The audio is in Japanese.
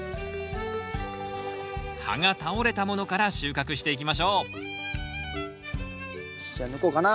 葉が倒れたものから収穫していきましょうじゃあ抜こうかな。